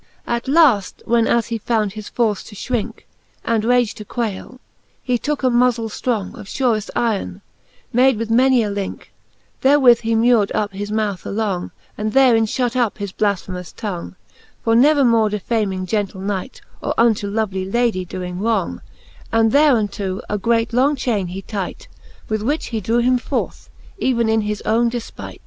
At laft, when as he found his force to fhrincke, And rage to quaile, he tooke a muzzell ftrong Of fureft yron, made with many a lincke ; Therewith he mured up his mouth along, And therein fhut up his blafphemous tong, For never more defaming gentle Knight, Or unto lovely Lady doing wrong: And thereunto a great long chaine he tight. With which he drew him forth, even in his own delpight.